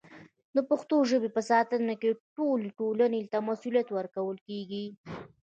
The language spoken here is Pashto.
د پښتو ژبې په ساتنه کې ټولې ټولنې ته مسوولیت ورکول کېږي.